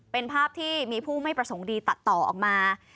เป็นภาพที่มีผู้ไม่ประสงค์ดีตัดต่อออกมา